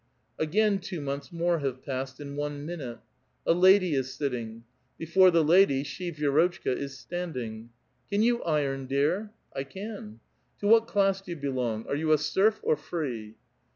Again two months more have passed in one minute. A lady is sitting. Before the lady she, Vi^rotchka, is standing. '* Can you iron, dear?" '' I can." " To what class do you belong? Are you a serf or free?